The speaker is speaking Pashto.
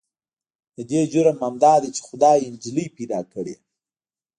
د دې جرم همدا دی چې خدای يې نجلې پيدا کړې.